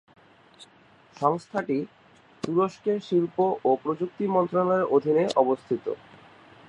সংস্থাটি তুরস্কের শিল্প ও প্রযুক্তি মন্ত্রণালয়ের অধীনে অবস্থিত।